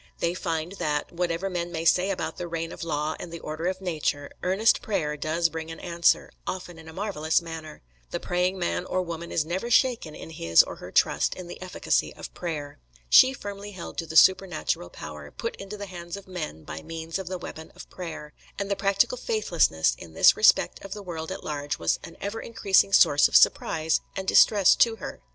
They find that, whatever men may say about the reign of law and the order of nature, earnest prayer does bring an answer, often in a marvellous manner. The praying man or woman is never shaken in his or her trust in the efficacy of prayer. She firmly held to the supernatural power, put into the hands of men by means of the weapon of prayer; and the practical faithlessness in this respect of the world at large was an ever increasing source of surprise and distress to her.